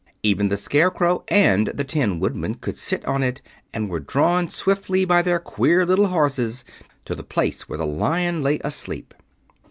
Even the Scarecrow and the Tin Woodman could sit on it, and were drawn swiftly by their queer little horses to the place where the Lion lay asleep.